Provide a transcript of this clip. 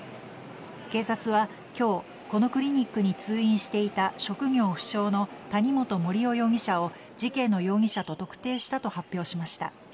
警察は今日このクリニックに通院していた職業不詳の谷本盛雄容疑者を事件の容疑者と特定したと発表しました。